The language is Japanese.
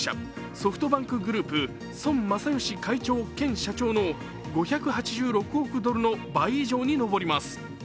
ソフトバンクグループ孫正義会長兼社長の５８６億ドルの倍以上に上ります。